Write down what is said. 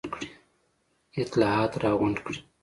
اطلاعات را غونډ کړي.